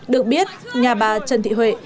được biết nhà bà trần thị huệ